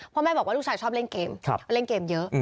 แม่บอกว่าลูกชายชอบเล่นเกมเล่นเกมเยอะ